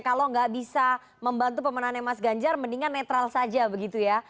kalau nggak bisa membantu pemenangnya mas ganjar mendingan netral saja begitu ya